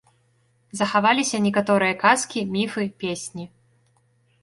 Захаваліся некаторыя казкі, міфы, песні.